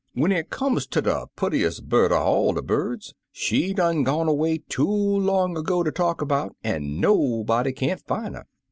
When it comes ter de purtiest bird er all de birds, she's done gone away too long agq ter talk about, an' nobody can't fin' her.